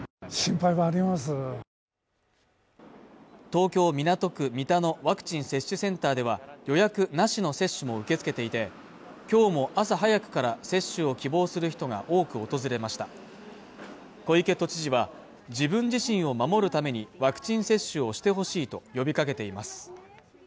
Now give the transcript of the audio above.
東京港区三田のワクチン接種センターでは予約なしの接種も受け付けていて今日も朝早くから接種を希望する人が多く訪れました小池都知事は自分自身を守るためにワクチン接種をしてほしいと呼びかけています